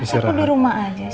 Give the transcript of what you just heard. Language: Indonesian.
mas aku di rumah aja sih